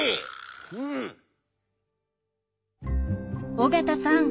尾形さん